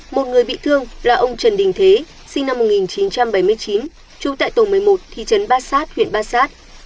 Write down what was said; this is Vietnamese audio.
một người bị thương là ông trần đình thế sinh năm một nghìn chín trăm bảy mươi chín trú tại tổ một mươi một thị trấn ba sát huyện bát sát